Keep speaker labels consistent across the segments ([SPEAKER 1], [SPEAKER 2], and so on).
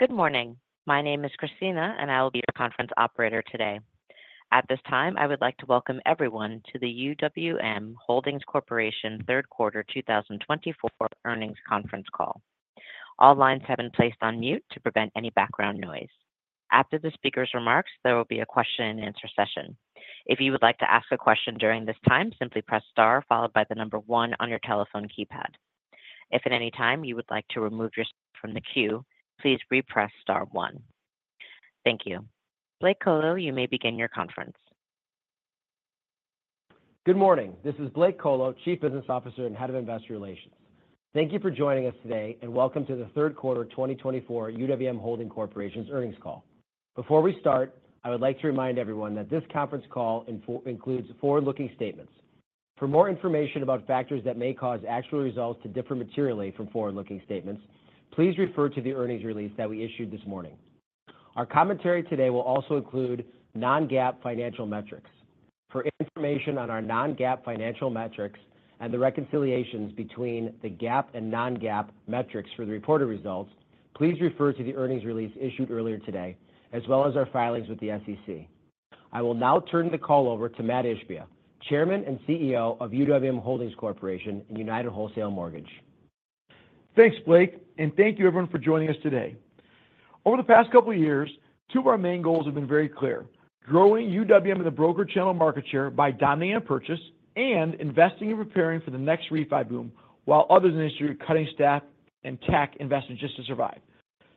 [SPEAKER 1] Good morning. My name is Christina, and I will be your conference operator today. At this time, I would like to welcome everyone to the UWM Holdings Corporation 3rd Quarter 2024 Earnings Conference Call. All lines have been placed on mute to prevent any background noise. After the speaker's remarks, there will be a question-and-answer session. If you would like to ask a question during this time, simply press star followed by the number one on your telephone keypad. If at any time you would like to remove yourself from the queue, please repress star one. Thank you. Blake Kolo, you may begin your conference.
[SPEAKER 2] Good morning. This is Blake Kolo, Chief Business Officer and Head of Investor Relations. Thank you for joining us today, and welcome to the 3rd Quarter 2024 UWM Holdings Corporation's Earnings Call. Before we start, I would like to remind everyone that this conference call includes forward-looking statements. For more information about factors that may cause actual results to differ materially from forward-looking statements, please refer to the earnings release that we issued this morning. Our commentary today will also include non-GAAP financial metrics. For information on our non-GAAP financial metrics and the reconciliations between the GAAP and non-GAAP metrics for the reported results, please refer to the earnings release issued earlier today, as well as our filings with the SEC. I will now turn the call over to Mat Ishbia, Chairman and CEO of UWM Holdings Corporation and United Wholesale Mortgage.
[SPEAKER 3] Thanks, Blake, and thank you, everyone, for joining us today. Over the past couple of years, two of our main goals have been very clear: growing UWM in the broker channel market share by dominating a purchase and investing and preparing for the next refi boom, while others in the industry are cutting staff and tech investment just to survive.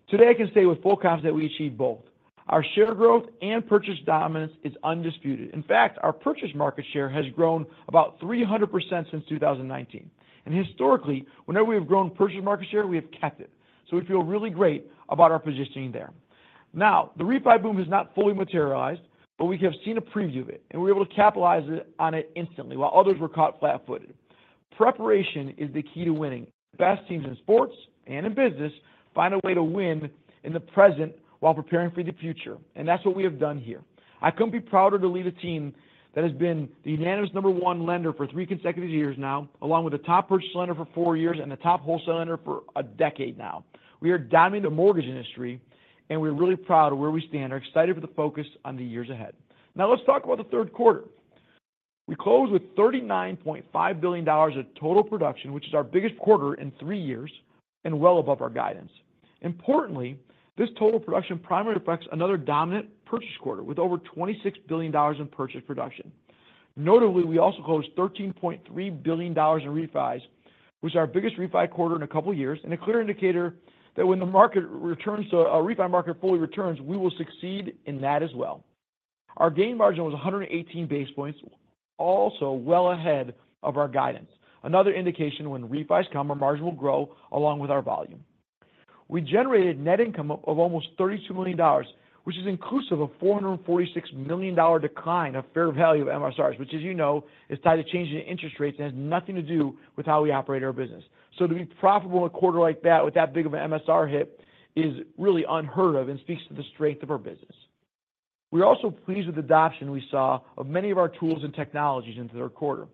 [SPEAKER 3] Today, I can say with full confidence that we achieved both. Our share growth and purchase dominance is undisputed. In fact, our purchase market share has grown about 300% since 2019. And historically, whenever we have grown purchase market share, we have kept it. So we feel really great about our positioning there. Now, the refi boom has not fully materialized, but we have seen a preview of it, and we were able to capitalize on it instantly, while others were caught flat-footed. Preparation is the key to winning. The best teams in sports and in business find a way to win in the present while preparing for the future. And that's what we have done here. I couldn't be prouder to lead a team that has been the unanimous number one lender for three consecutive years now, along with the top purchase lender for four years and the top wholesale lender for a decade now. We are dominating the mortgage industry, and we're really proud of where we stand and are excited for the focus on the years ahead. Now, let's talk about the 3rd quarter. We closed with $39.5 billion of total production, which is our biggest quarter in three years and well above our guidance. Importantly, this total production primarily reflects another dominant purchase quarter with over $26 billion in purchase production. Notably, we also closed $13.3 billion in refis, which is our biggest refi quarter in a couple of years, and a clear indicator that when the market returns to a refi market fully returns, we will succeed in that as well. Our gain margin was 118 basis points, also well ahead of our guidance, another indication when refis come, our margin will grow along with our volume. We generated net income of almost $32 million, which is inclusive of a $446 million decline of fair value of MSRs, which, as you know, is tied to changing interest rates and has nothing to do with how we operate our business. So to be profitable in a quarter like that with that big of an MSR hit is really unheard of and speaks to the strength of our business. We're also pleased with the adoption we saw of many of our tools and technologies in the 3rd quarter.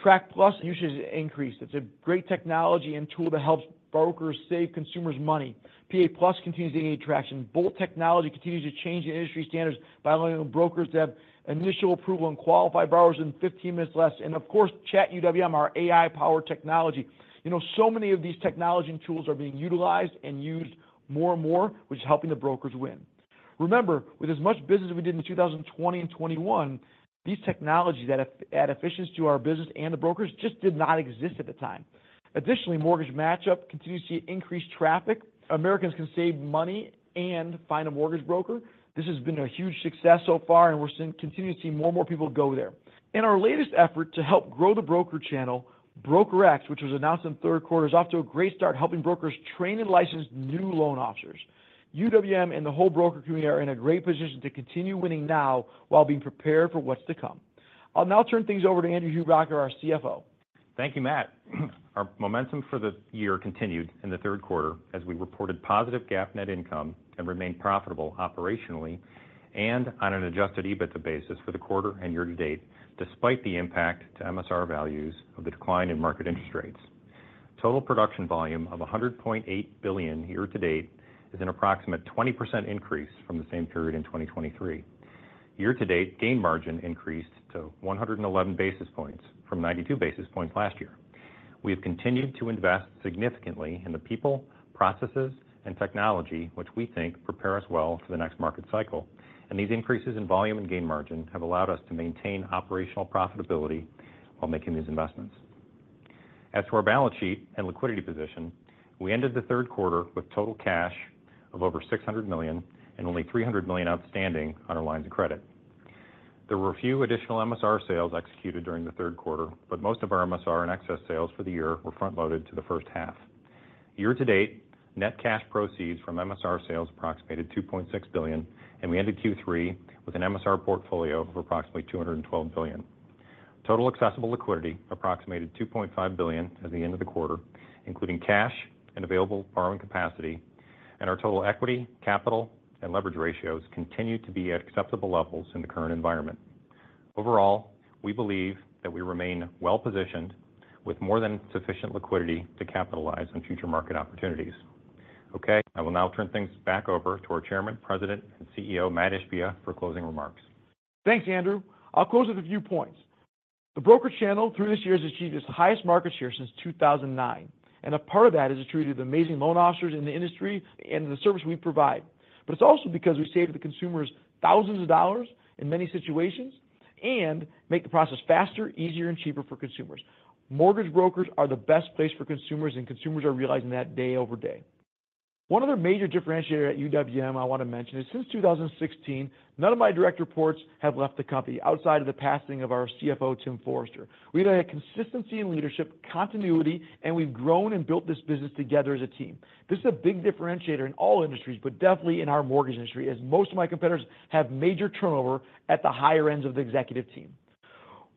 [SPEAKER 3] TRAC+ usage has increased. It's a great technology and tool that helps brokers save consumers money. PA+ continues to gain traction. Bolt technology continues to change the industry standards by allowing brokers to have initial approval and qualify borrowers in 15 minutes or less. And of course, Chat UWM, our AI-powered technology. You know, so many of these technology and tools are being utilized and used more and more, which is helping the brokers win. Remember, with as much business as we did in 2020 and 2021, these technologies add efficiency to our business and the brokers just did not exist at the time. Additionally, Mortgage Matchup continues to see increased traffic. Americans can save money and find a mortgage broker. This has been a huge success so far, and we're continuing to see more and more people go there. In our latest effort to help grow the broker channel, BrokerX, which was announced in the 3rd quarter, is off to a great start, helping brokers train and license new loan officers. UWM and the whole broker community are in a great position to continue winning now while being prepared for what's to come. I'll now turn things over to Andrew Hubacker, our CFO.
[SPEAKER 4] Thank you, Mat. Our momentum for the year continued in the 3rd quarter as we reported positive GAAP net income and remained profitable operationally and on an Adjusted EBITDA basis for the quarter and year-to-date, despite the impact to MSR values of the decline in market interest rates. Total production volume of $100.8 billion year-to-date is an approximate 20% increase from the same period in 2023. Year-to-date, gain margin increased to 111 basis points from 92 basis points last year. We have continued to invest significantly in the people, processes, and technology, which we think prepare us well for the next market cycle, and these increases in volume and gain margin have allowed us to maintain operational profitability while making these investments. As for our balance sheet and liquidity position, we ended the 3rd quarter with total cash of over $600 million and only $300 million outstanding on our lines of credit. There were a few additional MSR sales executed during the 3rd quarter, but most of our MSR and excess sales for the year were front-loaded to the 1st half. Year-to-date, net cash proceeds from MSR sales approximated $2.6 billion, and we ended Q3 with an MSR portfolio of approximately $212 billion. Total accessible liquidity approximated $2.5 billion at the end of the quarter, including cash and available borrowing capacity, and our total equity, capital, and leverage ratios continue to be at acceptable levels in the current environment. Overall, we believe that we remain well-positioned with more than sufficient liquidity to capitalize on future market opportunities. Okay, I will now turn things back over to our Chairman, President, and CEO, Mat Ishbia, for closing remarks.
[SPEAKER 3] Thanks, Andrew. I'll close with a few points. The broker channel through this year has achieved its highest market share since 2009, and a part of that is attributed to the amazing loan officers in the industry and the service we provide, but it's also because we save the consumers thousands of dollars in many situations and make the process faster, easier, and cheaper for consumers. Mortgage brokers are the best place for consumers, and consumers are realizing that day over day. One other major differentiator at UWM I want to mention is since 2016, none of my direct reports have left the company outside of the passing of our CFO, Tim Forrester. We've had consistency in leadership, continuity, and we've grown and built this business together as a team. This is a big differentiator in all industries, but definitely in our mortgage industry, as most of my competitors have major turnover at the higher ends of the executive team.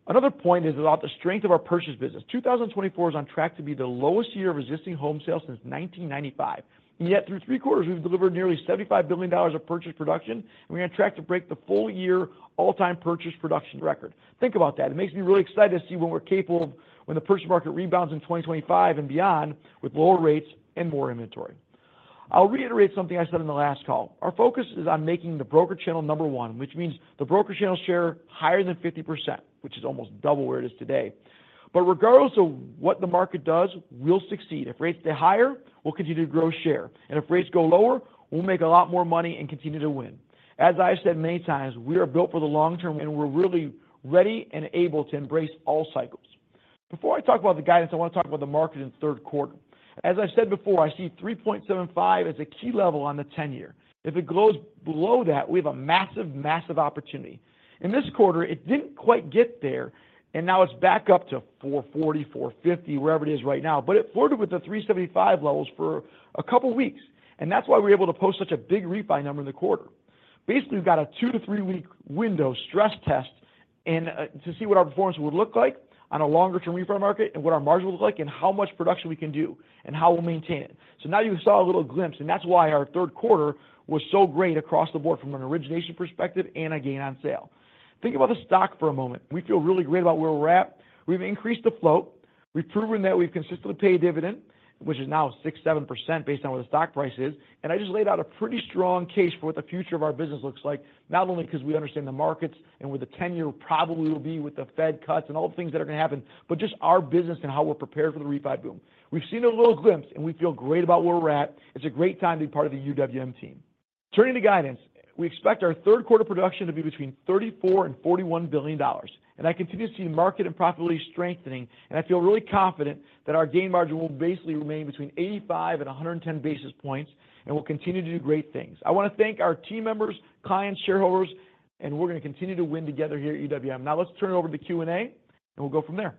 [SPEAKER 3] Another point is about the strength of our purchase business. 2024 is on track to be the lowest year of existing home sales since 1995, and yet, through three quarters, we've delivered nearly $75 billion of purchase production, and we're on track to break the full-year all-time purchase production record. Think about that. It makes me really excited to see what we're capable of when the purchase market rebounds in 2025 and beyond with lower rates and more inventory. I'll reiterate something I said in the last call. Our focus is on making the broker channel number one, which means the broker channel share higher than 50%, which is almost double where it is today. But regardless of what the market does, we'll succeed. If rates stay higher, we'll continue to grow share. And if rates go lower, we'll make a lot more money and continue to win. As I've said many times, we are built for the long term, and we're really ready and able to embrace all cycles. Before I talk about the guidance, I want to talk about the market in the 3rd quarter. As I've said before, I see 3.75% as a key level on the 10-year. If it goes below that, we have a massive, massive opportunity. In this quarter, it didn't quite get there, and now it's back up to 4.40%, 4.50%, wherever it is right now. But it flirted with the 3.75% levels for a couple of weeks. And that's why we were able to post such a big refi number in the quarter. Basically, we've got a two- to three-week window stress test to see what our performance would look like on a longer-term refi market and what our margin would look like and how much production we can do and how we'll maintain it. So now you saw a little glimpse, and that's why our 3rd quarter was so great across the board from an origination perspective and a gain on sale. Think about the stock for a moment. We feel really great about where we're at. We've increased the float. We've proven that we've consistently paid dividend, which is now 6%-7% based on where the stock price is. And I just laid out a pretty strong case for what the future of our business looks like, not only because we understand the markets and where the 10-year probably will be with the Fed cuts and all the things that are going to happen, but just our business and how we're prepared for the refi boom. We've seen a little glimpse, and we feel great about where we're at. It's a great time to be part of the UWM team. Turning to guidance, we expect our third quarter production to be between $34 billion and $41 billion. And I continue to see the market and profitability strengthening, and I feel really confident that our gain margin will basically remain between 85 and 110 basis points and will continue to do great things. I want to thank our team members, clients, shareholders, and we're going to continue to win together here at UWM. Now, let's turn it over to Q&A, and we'll go from there.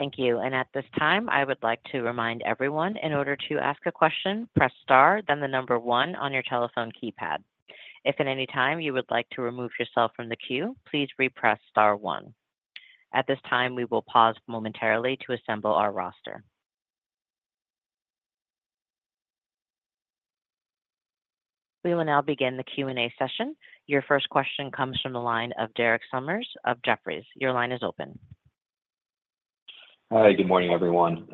[SPEAKER 1] Thank you, and at this time, I would like to remind everyone in order to ask a question, press star, then the number one on your telephone keypad. If at any time you would like to remove yourself from the queue, please press star one. At this time, we will pause momentarily to assemble our roster. We will now begin the Q&A session. Your first question comes from the line of Derek Sommers of Jefferies. Your line is open.
[SPEAKER 5] Hi, good morning, everyone.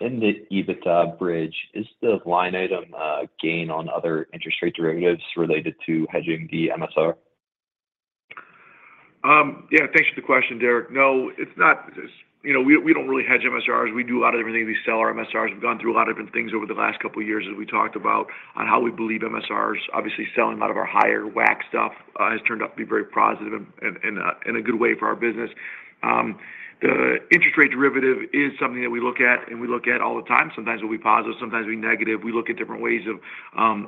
[SPEAKER 5] In the EBITDA bridge, is the line item gain on other interest rate derivatives related to hedging the MSR?
[SPEAKER 3] Yeah, thanks for the question, Derek. No, it's not. You know, we don't really hedge MSRs. We do a lot of different things. We sell our MSRs. We've gone through a lot of different things over the last couple of years as we talked about on how we believe MSRs. Obviously, selling a lot of our higher WAC stuff has turned out to be very positive and a good way for our business. The interest rate derivative is something that we look at, and we look at all the time. Sometimes it'll be positive. Sometimes it'll be negative. We look at different ways of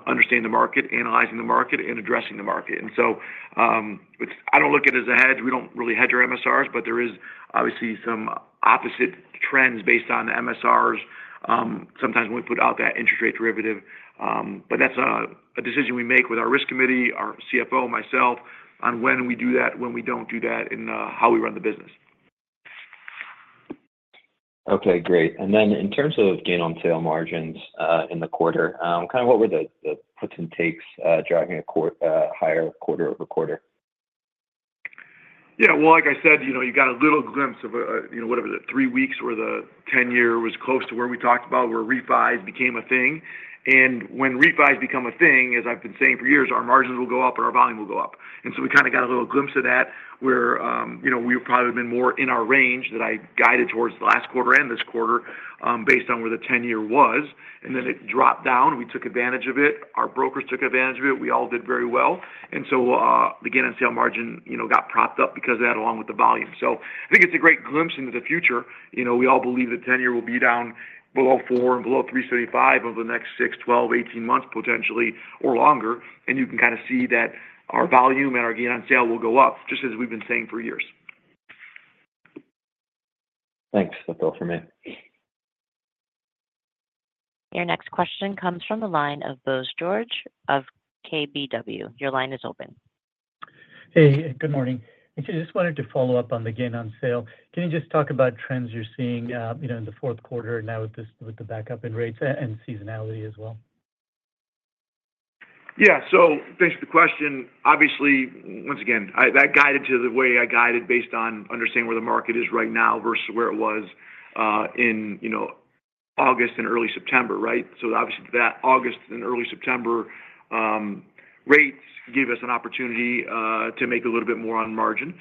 [SPEAKER 3] understanding the market, analyzing the market, and addressing the market. And so I don't look at it as a hedge. We don't really hedge our MSRs, but there is obviously some opposite trends based on the MSRs sometimes when we put out that interest rate derivative. But that's a decision we make with our risk committee, our CFO, myself, on when we do that, when we don't do that, and how we run the business.
[SPEAKER 5] Okay, great, and then in terms of gain on sale margins in the quarter, kind of what were the puts and takes driving a higher quarter-over-quarter?
[SPEAKER 3] Yeah, well, like I said, you know, you got a little glimpse of whatever the three weeks or the 10-year was close to where we talked about where refi became a thing. And when refi become a thing, as I've been saying for years, our margins will go up and our volume will go up. And so we kind of got a little glimpse of that where we probably have been more in our range that I guided towards the last quarter and this quarter based on where the 10-year was. And then it dropped down. We took advantage of it. Our brokers took advantage of it. We all did very well. And so the gain on sale margin got propped up because of that along with the volume. So I think it's a great glimpse into the future. You know, we all believe the 10-year will be down below 4% and below 3.75% over the next six, 12, 18 months potentially or longer. And you can kind of see that our volume and our gain on sale will go up just as we've been saying for years.
[SPEAKER 5] Thanks. That's all from me.
[SPEAKER 1] Your next question comes from the line of Bose George of KBW. Your line is open.
[SPEAKER 6] Hey, good morning. I just wanted to follow up on the gain on sale. Can you just talk about trends you're seeing in the 4th quarter now with the backup in rates and seasonality as well?
[SPEAKER 3] Yeah, so thanks for the question. Obviously, once again, that guided to the way I guided based on understanding where the market is right now versus where it was in August and early September, right? So obviously that August and early September rates give us an opportunity to make a little bit more on margin.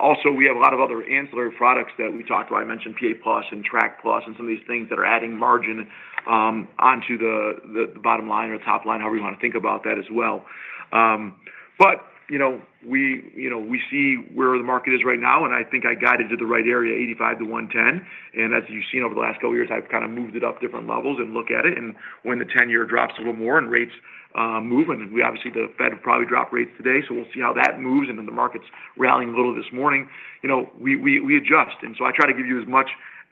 [SPEAKER 3] Also, we have a lot of other ancillary products that we talked about. I mentioned PA+ and TRAC+ and some of these things that are adding margin onto the bottom line or top line, however you want to think about that as well. But we see where the market is right now, and I think I guided to the right area, $85-$110. And as you've seen over the last couple of years, I've kind of moved it up different levels and looked at it. And when the 10-year drops a little more and rates move, and we obviously the Fed will probably drop rates today, so we'll see how that moves. And then the market's rallying a little this morning. You know, we adjust. And so I try to give you as much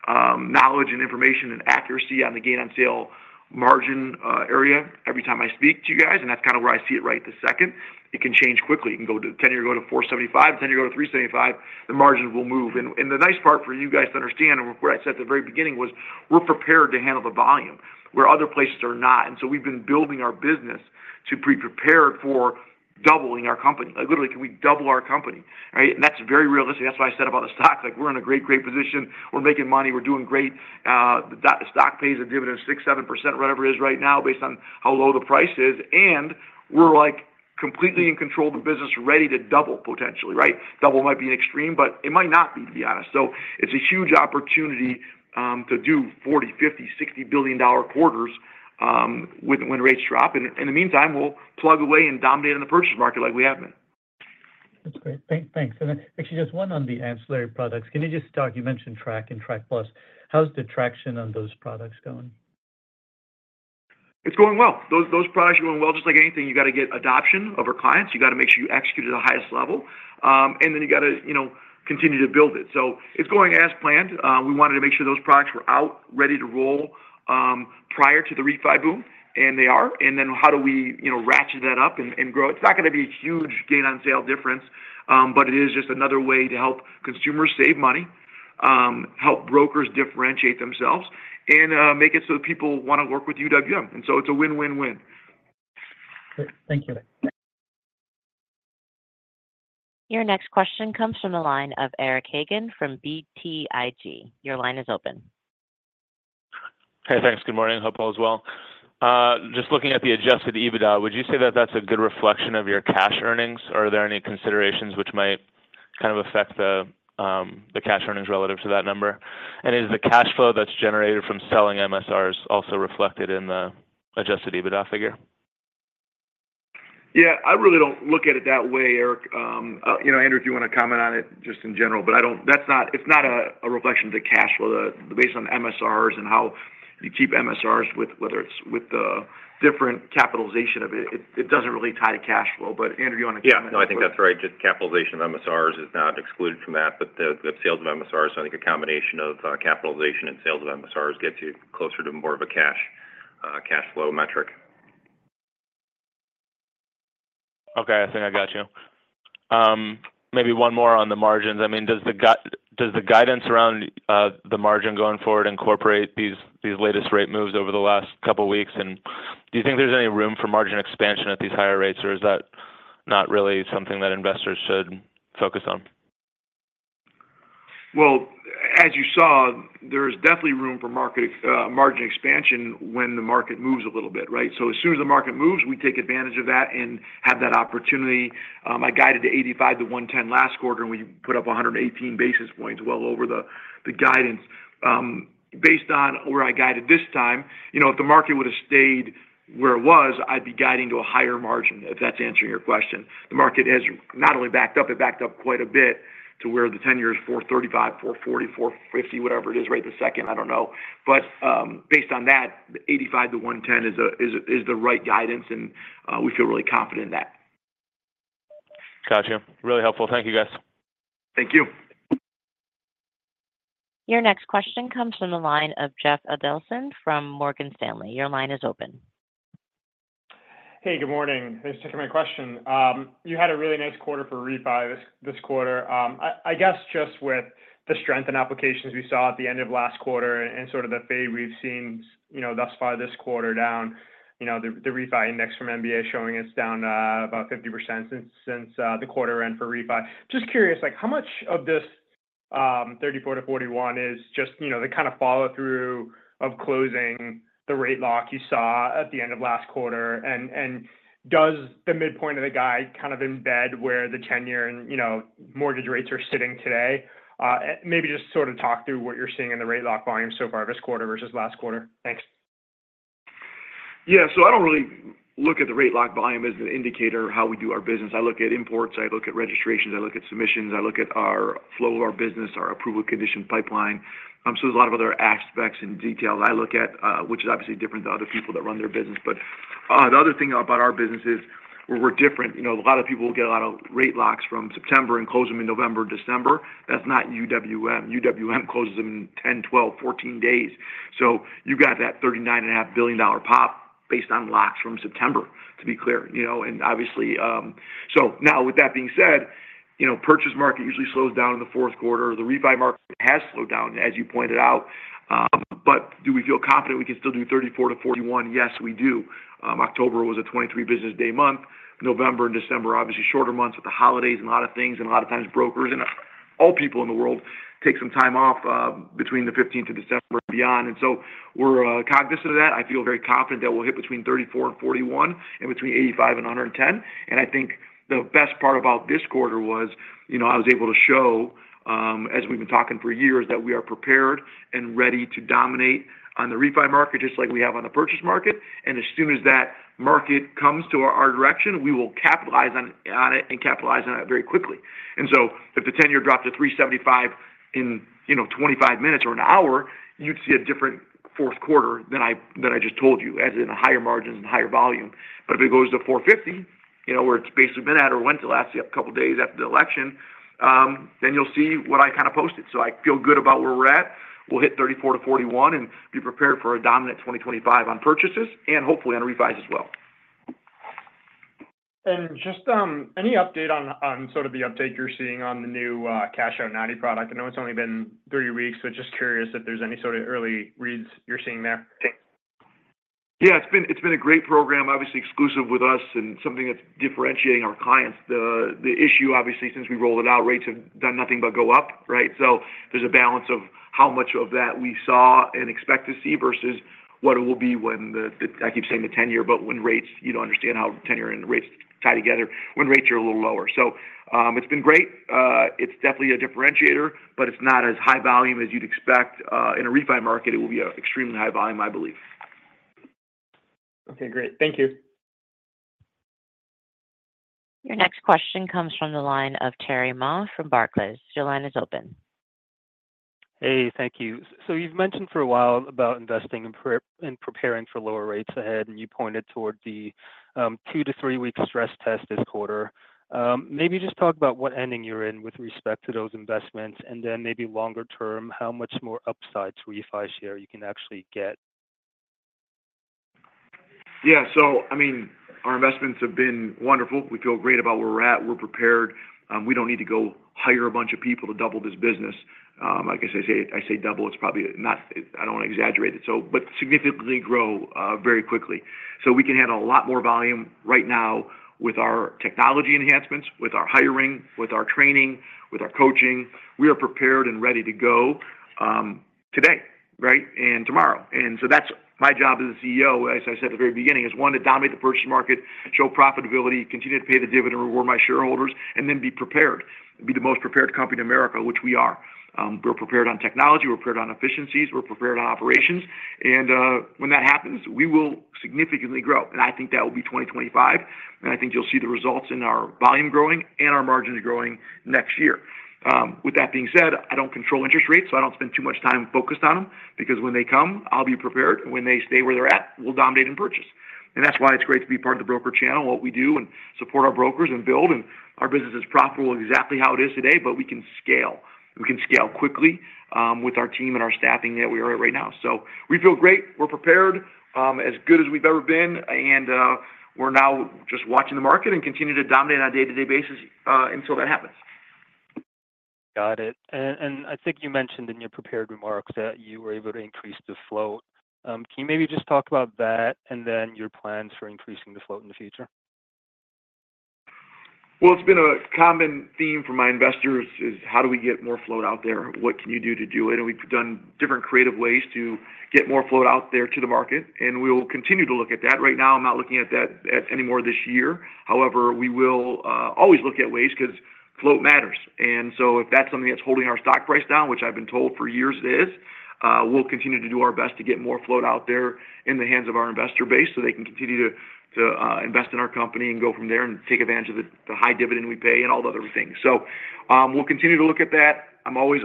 [SPEAKER 3] knowledge and information and accuracy on the gain on sale margin area every time I speak to you guys. And that's kind of where I see it right this second. It can change quickly. You can go to 10-year, go to 4.75%. 10-year, go to 3.75%. The margins will move. And the nice part for you guys to understand, and what I said at the very beginning was we're prepared to handle the volume where other places are not. And so we've been building our business to be prepared for doubling our company. Literally, can we double our company? That's very realistic. That's why I said about the stock, like we're in a great, great position. We're making money. We're doing great. The stock pays a dividend of 6%, 7%, whatever it is right now based on how low the price is. We're like completely in control of the business, ready to double potentially, right? Double might be an extreme, but it might not be, to be honest. It's a huge opportunity to do $40 billion, $50 billion, $60 billion quarters when rates drop. In the meantime, we'll plug away and dominate on the purchase market like we have been.
[SPEAKER 6] That's great. Thanks. And actually, just one on the ancillary products. Can you just talk? You mentioned TRAC and TRAC+. How's the traction on those products going?
[SPEAKER 3] It's going well. Those products are going well. Just like anything, you got to get adoption of our clients. You got to make sure you execute at the highest level. And then you got to continue to build it. So it's going as planned. We wanted to make sure those products were out, ready to roll prior to the refi boom, and they are. And then how do we ratchet that up and grow? It's not going to be a huge gain on sale difference, but it is just another way to help consumers save money, help brokers differentiate themselves, and make it so that people want to work with UWM. And so it's a win-win-win.
[SPEAKER 6] Thank you.
[SPEAKER 1] Your next question comes from the line of Eric Hagan from BTIG. Your line is open.
[SPEAKER 7] Hey, thanks. Good morning. Hope all is well. Just looking at the Adjusted EBITDA, would you say that that's a good reflection of your cash earnings? Are there any considerations which might kind of affect the cash earnings relative to that number? And is the cash flow that's generated from selling MSRs also reflected in the Adjusted EBITDA figure?
[SPEAKER 3] Yeah, I really don't look at it that way, Eric. You know, Andrew, if you want to comment on it just in general, but I don't, it's not a reflection of the cash flow. Based on MSRs and how you keep MSRs, whether it's with the different capitalization of it, it doesn't really tie to cash flow. But Andrew, you want to comment?
[SPEAKER 4] Yeah, no, I think that's right. Just capitalization of MSRs is not excluded from that. But the sales of MSRs, I think a combination of capitalization and sales of MSRs gets you closer to more of a cash flow metric.
[SPEAKER 7] Okay, I think I got you. Maybe one more on the margins. I mean, does the guidance around the margin going forward incorporate these latest rate moves over the last couple of weeks? And do you think there's any room for margin expansion at these higher rates, or is that not really something that investors should focus on?
[SPEAKER 3] As you saw, there is definitely room for margin expansion when the market moves a little bit, right? So as soon as the market moves, we take advantage of that and have that opportunity. I guided to $85-$110 last quarter, and we put up 118 basis points well over the guidance. Based on where I guided this time, you know, if the market would have stayed where it was, I'd be guiding to a higher margin, if that's answering your question. The market has not only backed up. It backed up quite a bit to where the 10-year is 4.35%, 4.40%, 4.50%, whatever it is right this second, I don't know. But based on that, $85-$110 is the right guidance, and we feel really confident in that.
[SPEAKER 7] Gotcha. Really helpful. Thank you, guys.
[SPEAKER 3] Thank you.
[SPEAKER 1] Your next question comes from the line of Jeff Adelson from Morgan Stanley. Your line is open.
[SPEAKER 8] Hey, good morning. Thanks for taking my question. You had a really nice quarter for refi this quarter. I guess just with the strength in applications we saw at the end of last quarter and sort of the fade we've seen thus far this quarter down, you know, the refi index from MBA showing it's down about 50% since the quarter end for refi. Just curious, like how much of this $34-$41 is just, you know, the kind of follow-through of closing the rate lock you saw at the end of last quarter? And does the midpoint of the guide kind of embed where the 10-year and, you know, mortgage rates are sitting today? Maybe just sort of talk through what you're seeing in the rate lock volume so far this quarter versus last quarter. Thanks.
[SPEAKER 3] Yeah, so I don't really look at the rate lock volume as an indicator of how we do our business. I look at imports. I look at registrations. I look at submissions. I look at our flow of our business, our approval condition pipeline. So there's a lot of other aspects and details I look at, which is obviously different than other people that run their business. But the other thing about our business is we're different. You know, a lot of people will get a lot of rate locks from September and close them in November and December. That's not UWM. UWM closes them in 10, 12, 14 days. So you got that $39.5 billion pop based on locks from September, to be clear, you know? And obviously, so now with that being said, you know, purchase market usually slows down in the 4th quarter. The refi market has slowed down, as you pointed out, but do we feel confident we can still do $34-$41? Yes, we do. October was a 23 business day month. November and December, obviously shorter months with the holidays and a lot of things, and a lot of times brokers and all people in the world take some time off between the 15th of December and beyond, and so we're cognizant of that. I feel very confident that we'll hit between $34 and $41 and between $85 and $110, and I think the best part about this quarter was, you know, I was able to show, as we've been talking for years, that we are prepared and ready to dominate on the refi market just like we have on the purchase market. As soon as that market comes to our direction, we will capitalize on it and capitalize on it very quickly. And so if the 10-year dropped to 3.75% in, you know, 25 minutes or an hour, you'd see a different 4th quarter than I just told you, as in higher margins and higher volume. But if it goes to 4.50%, you know, where it's basically been at or went to last couple of days after the election, then you'll see what I kind of posted. So I feel good about where we're at. We'll hit $34-$41 and be prepared for a dominant 2025 on purchases and hopefully on refi as well.
[SPEAKER 8] Just any update on sort of the uptake you're seeing on the new Cash Out 90 product? I know it's only been three weeks, but just curious if there's any sort of early reads you're seeing there.
[SPEAKER 3] Yeah, it's been a great program, obviously exclusive with us and something that's differentiating our clients. The issue, obviously, since we rolled it out, rates have done nothing but go up, right? So there's a balance of how much of that we saw and expect to see versus what it will be when I keep saying the 10-year, but when rates, you don't understand how 10-year and rates tie together when rates are a little lower. So it's been great. It's definitely a differentiator, but it's not as high volume as you'd expect. In a refi market, it will be an extremely high volume, I believe.
[SPEAKER 8] Okay, great. Thank you.
[SPEAKER 1] Your next question comes from the line of Terry Ma from Barclays. Your line is open.
[SPEAKER 9] Hey, thank you. So you've mentioned for a while about investing and preparing for lower rates ahead, and you pointed toward the two- to three-week stress test this quarter. Maybe just talk about what headwind you're in with respect to those investments and then maybe longer term, how much more upside to refi share you can actually get?
[SPEAKER 3] Yeah, so I mean, our investments have been wonderful. We feel great about where we're at. We're prepared. We don't need to go hire a bunch of people to double this business. Like I say, I say double, it's probably not, I don't want to exaggerate it, but significantly grow very quickly. So we can handle a lot more volume right now with our technology enhancements, with our hiring, with our training, with our coaching. We are prepared and ready to go today, right, and tomorrow. And so that's my job as a CEO, as I said at the very beginning, is one to dominate the purchase market, show profitability, continue to pay the dividend, reward my shareholders, and then be prepared, be the most prepared company in America, which we are. We're prepared on technology. We're prepared on efficiencies. We're prepared on operations. And when that happens, we will significantly grow. And I think that will be 2025. And I think you'll see the results in our volume growing and our margins growing next year. With that being said, I don't control interest rates, so I don't spend too much time focused on them because when they come, I'll be prepared. And when they stay where they're at, we'll dominate and purchase. And that's why it's great to be part of the broker channel, what we do, and support our brokers and build. And our business is profitable exactly how it is today, but we can scale. We can scale quickly with our team and our staffing that we are at right now. So we feel great. We're prepared as good as we've ever been. And we're now just watching the market and continue to dominate on a day-to-day basis until that happens.
[SPEAKER 9] Got it, and I think you mentioned in your prepared remarks that you were able to increase the float. Can you maybe just talk about that and then your plans for increasing the float in the future?
[SPEAKER 3] Well, it's been a common theme for my investors is how do we get more float out there? What can you do to do it? And we've done different creative ways to get more float out there to the market. And we will continue to look at that. Right now, I'm not looking at that anymore this year. However, we will always look at ways because float matters. And so if that's something that's holding our stock price down, which I've been told for years it is, we'll continue to do our best to get more float out there in the hands of our investor base so they can continue to invest in our company and go from there and take advantage of the high dividend we pay and all the other things. So we'll continue to look at that. I'm always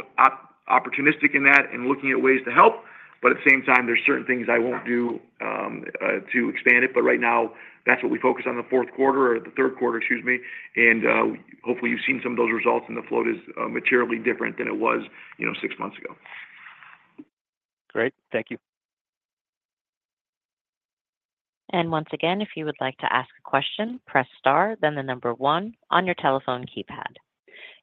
[SPEAKER 3] opportunistic in that and looking at ways to help, but at the same time, there's certain things I won't do to expand it, but right now, that's what we focus on the 4th quarter or the 3rd quarter, excuse me, and hopefully you've seen some of those results and the float is materially different than it was, you know, six months ago.
[SPEAKER 9] Great. Thank you.
[SPEAKER 1] Once again, if you would like to ask a question, press star, then the number one on your telephone keypad.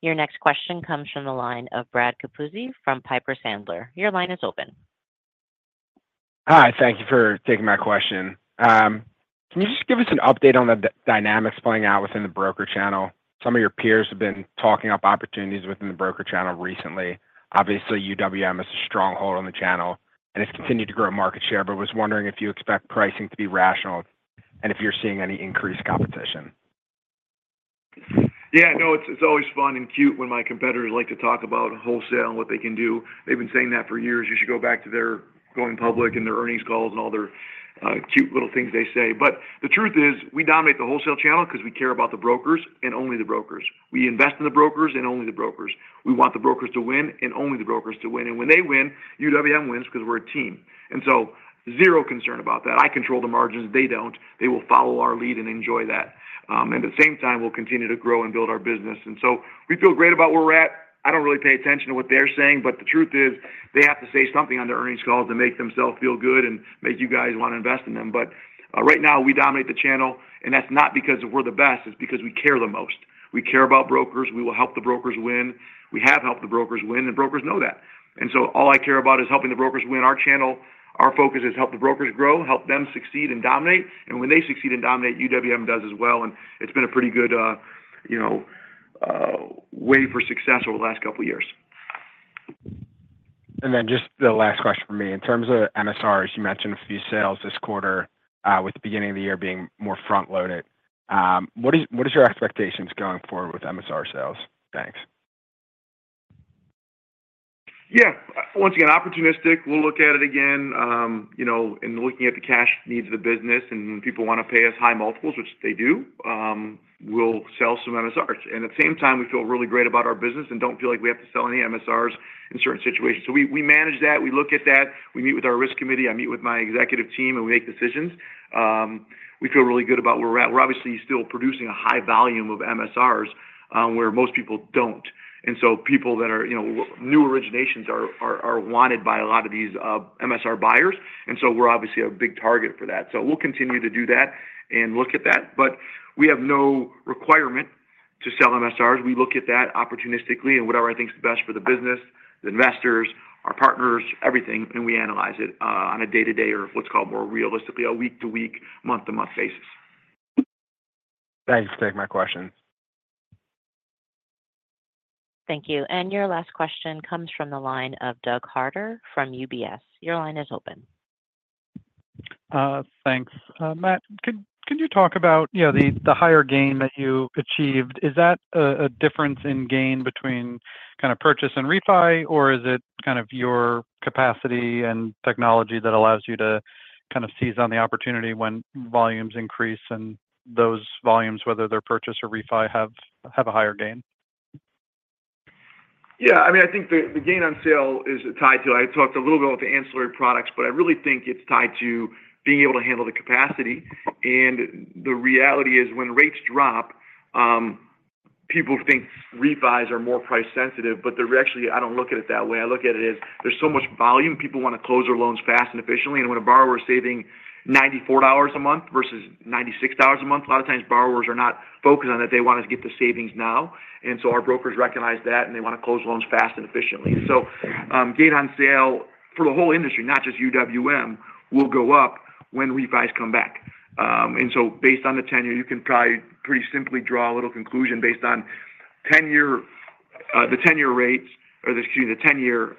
[SPEAKER 1] Your next question comes from the line of Brad Capuzzi from Piper Sandler. Your line is open.
[SPEAKER 10] Hi, thank you for taking my question. Can you just give us an update on the dynamics playing out within the broker channel? Some of your peers have been talking up opportunities within the broker channel recently. Obviously, UWM is a stronghold on the channel and has continued to grow market share, but was wondering if you expect pricing to be rational and if you're seeing any increased competition.
[SPEAKER 3] Yeah, no, it's always fun and cute when my competitors like to talk about wholesale and what they can do. They've been saying that for years. You should go back to their going public and their earnings calls and all their cute little things they say. But the truth is we dominate the wholesale channel because we care about the brokers and only the brokers. We invest in the brokers and only the brokers. We want the brokers to win and only the brokers to win. And when they win, UWM wins because we're a team. And so zero concern about that. I control the margins. They don't. They will follow our lead and enjoy that. And at the same time, we'll continue to grow and build our business. And so we feel great about where we're at. I don't really pay attention to what they're saying, but the truth is they have to say something on their earnings calls to make themselves feel good and make you guys want to invest in them. But right now, we dominate the channel, and that's not because we're the best. It's because we care the most. We care about brokers. We will help the brokers win. We have helped the brokers win, and brokers know that. And so all I care about is helping the brokers win. Our channel, our focus is to help the brokers grow, help them succeed and dominate. And when they succeed and dominate, UWM does as well. And it's been a pretty good, you know, way for success over the last couple of years.
[SPEAKER 10] And then just the last question for me. In terms of MSRs, you mentioned a few sales this quarter with the beginning of the year being more front-loaded. What are your expectations going forward with MSR sales? Thanks.
[SPEAKER 3] Yeah, once again, opportunistic. We'll look at it again, you know, and looking at the cash needs of the business. And when people want to pay us high multiples, which they do, we'll sell some MSRs. And at the same time, we feel really great about our business and don't feel like we have to sell any MSRs in certain situations. So we manage that. We look at that. We meet with our risk committee. I meet with my executive team, and we make decisions. We feel really good about where we're at. We're obviously still producing a high volume of MSRs where most people don't. And so people that are, you know, new originations are wanted by a lot of these MSR buyers. And so we're obviously a big target for that. So we'll continue to do that and look at that. But we have no requirement to sell MSRs. We look at that opportunistically and whatever I think is best for the business, the investors, our partners, everything. And we analyze it on a day-to-day or what's called more realistically a week-to-week, month-to-month basis.
[SPEAKER 10] Thanks for taking my question.
[SPEAKER 1] Thank you. And your last question comes from the line of Doug Harter from UBS. Your line is open.
[SPEAKER 11] Thanks, Mat, can you talk about, you know, the higher gain that you achieved? Is that a difference in gain between kind of purchase and refi, or is it kind of your capacity and technology that allows you to kind of seize on the opportunity when volumes increase and those volumes, whether they're purchase or refi, have a higher gain?
[SPEAKER 3] Yeah, I mean, I think the gain on sale is tied to, I talked a little bit about the ancillary products, but I really think it's tied to being able to handle the capacity, and the reality is when rates drop, people think refis are more price sensitive, but they're actually, I don't look at it that way. I look at it as there's so much volume. People want to close their loans fast and efficiently, and when a borrower is saving $94 a month versus $96 a month, a lot of times borrowers are not focused on that. They want to get the savings now, and so our brokers recognize that, and they want to close loans fast and efficiently, so gain on sale for the whole industry, not just UWM, will go up when refis come back. And so based on the 10-year, you can probably pretty simply draw a little conclusion based on 10-year, the 10-year rates or the, excuse me, the 10-year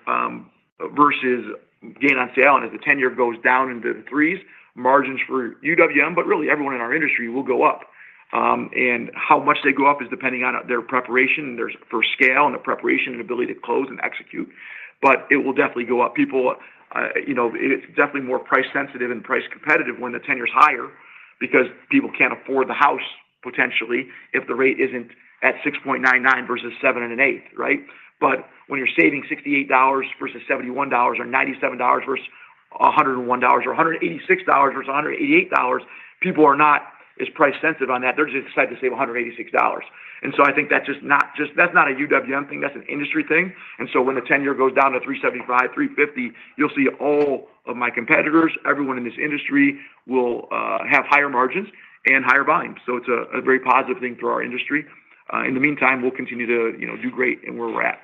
[SPEAKER 3] versus gain on sale. And as the 10-year goes down into the threes, margins for UWM, but really everyone in our industry will go up. And how much they go up is depending on their preparation for scale and the preparation and ability to close and execute. But it will definitely go up. People, you know, it's definitely more price sensitive and price competitive when the 10-year is higher because people can't afford the house potentially if the rate isn't at 6.99 versus 7 and an 8, right? But when you're saving $68 versus $71 or $97 versus $101 or $186 versus $188, people are not as price sensitive on that. They're just excited to save $186. And so, I think that's not just a UWM thing. That's an industry thing. And so when the 10-year goes down to 375, 350, you'll see all of my competitors. Everyone in this industry will have higher margins and higher volumes. So it's a very positive thing for our industry. In the meantime, we'll continue to, you know, do great and where we're at.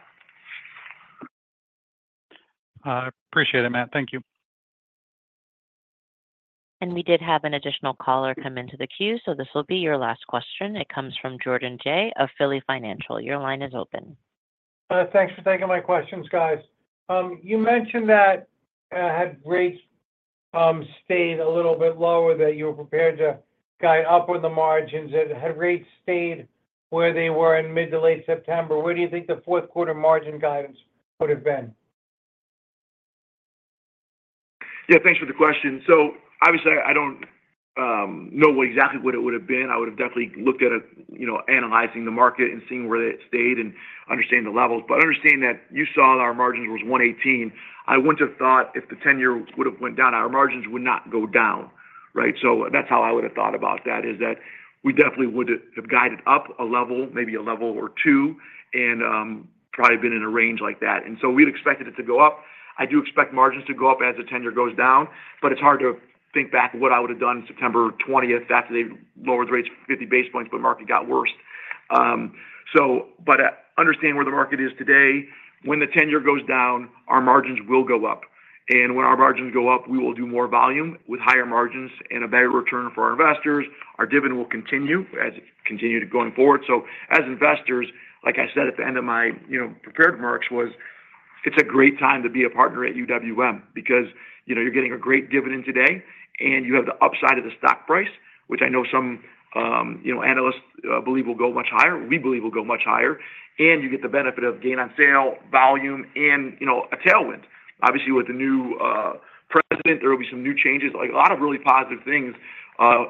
[SPEAKER 9] I appreciate it, Mat. Thank you.
[SPEAKER 1] And we did have an additional caller come into the queue, so this will be your last question. It comes from Jordan Jay of Philly Financial. Your line is open.
[SPEAKER 12] Thanks for taking my questions, guys. You mentioned that had rates stayed a little bit lower, that you were prepared to guide up on the margins, that had rates stayed where they were in mid to late September. Where do you think the 4th quarter margin guidance would have been?
[SPEAKER 3] Yeah, thanks for the question. So obviously, I don't know exactly what it would have been. I would have definitely looked at it, you know, analyzing the market and seeing where it stayed and understanding the levels. But understanding that you saw our margins was 118, I wouldn't have thought if the 10-year would have went down, our margins would not go down, right? So that's how I would have thought about that is that we definitely would have guided up a level, maybe a level or two, and probably been in a range like that. And so we'd expected it to go up. I do expect margins to go up as the 10-year goes down, but it's hard to think back what I would have done September 20th after they lowered the rates 50 basis points, but the market got worse. So, but understand where the market is today. When the 10-year goes down, our margins will go up. And when our margins go up, we will do more volume with higher margins and a better return for our investors. Our dividend will continue as it continued going forward. So as investors, like I said at the end of my, you know, prepared remarks, was it's a great time to be a partner at UWM because, you know, you're getting a great dividend today and you have the upside of the stock price, which I know some, you know, analysts believe will go much higher. We believe we'll go much higher. And you get the benefit of gain on sale, volume, and, you know, a tailwind. Obviously, with the new president, there will be some new changes, like a lot of really positive things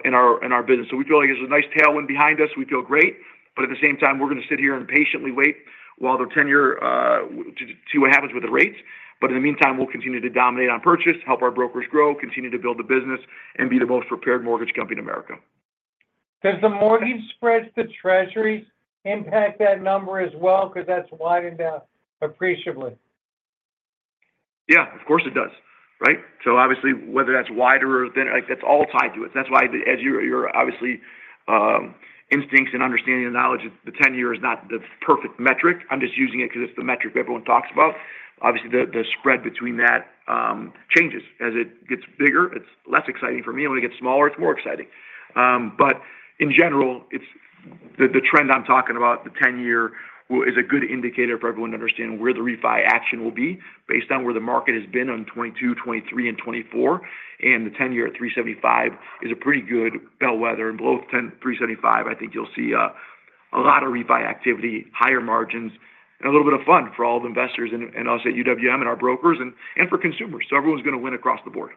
[SPEAKER 3] in our business. So we feel like there's a nice tailwind behind us. We feel great, but at the same time, we're going to sit here and patiently wait while the 10-year to see what happens with the rates, but in the meantime, we'll continue to dominate on purchase, help our brokers grow, continue to build the business, and be the most prepared mortgage company in America.
[SPEAKER 12] Does the mortgage spreads to Treasuries impact that number as well? Because that's widened out appreciably.
[SPEAKER 3] Yeah, of course it does, right? So obviously, whether that's wider or thinner, like that's all tied to it. That's why as your obvious instincts and understanding and knowledge, the 10-year is not the perfect metric. I'm just using it because it's the metric everyone talks about. Obviously, the spread between that changes as it gets bigger. It's less exciting for me. When it gets smaller, it's more exciting. But in general, it's the trend I'm talking about, the 10-year is a good indicator for everyone to understand where the refi action will be based on where the market has been on 2022, 2023, and 2024. And the 10-year at 375 is a pretty good bellwether. And below 375, I think you'll see a lot of refi activity, higher margins, and a little bit of fun for all the investors and us at UWM and our brokers and for consumers. So everyone's going to win across the board.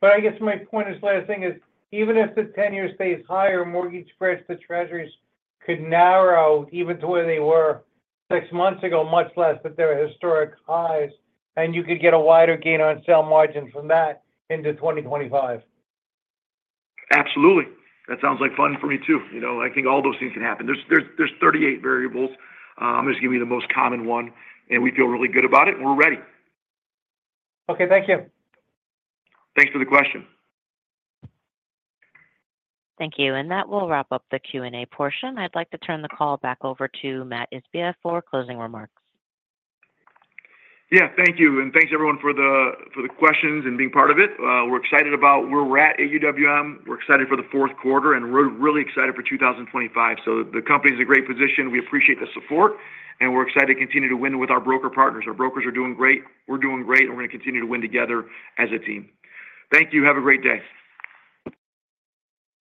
[SPEAKER 12] But I guess my point is, last thing is even if the 10-year stays higher, mortgage spreads to Treasuries could narrow even to where they were six months ago, much less at their historic highs, and you could get a wider gain on sale margin from that into 2025.
[SPEAKER 3] Absolutely. That sounds like fun for me too. You know, I think all those things can happen. There's 38 variables. I'm just giving you the most common one, and we feel really good about it, and we're ready.
[SPEAKER 12] Okay, thank you.
[SPEAKER 3] Thanks for the question.
[SPEAKER 1] Thank you. And that will wrap up the Q&A portion. I'd like to turn the call back over to Mat Ishbia for closing remarks.
[SPEAKER 3] Yeah, thank you. And thanks everyone for the questions and being part of it. We're excited about where we're at UWM. We're excited for the 4th quarter and we're really excited for 2025. So the company is in a great position. We appreciate the support, and we're excited to continue to win with our broker partners. Our brokers are doing great. We're doing great, and we're going to continue to win together as a team. Thank you. Have a great day.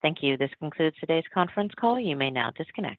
[SPEAKER 1] Thank you. This concludes today's conference call. You may now disconnect.